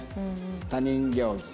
他人行儀。